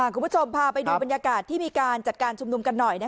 คุณผู้ชมพาไปดูบรรยากาศที่มีการจัดการชุมนุมกันหน่อย